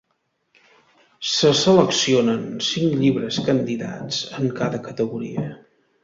Se seleccionen cinc llibres candidats en cada categoria.